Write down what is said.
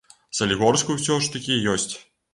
Салігорску ўсё ж такі ёсць.